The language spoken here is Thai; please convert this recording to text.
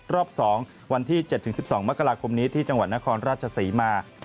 รอบ๒วันที่๗๑๒มกราคมนี้ที่จังหวัดนครราชศรีมา